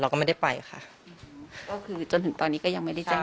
ก็ไม่ได้ไปค่ะก็คือจนถึงตอนนี้ก็ยังไม่ได้แจ้ง